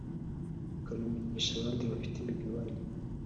ikabimenyesha abandi bafite imigabane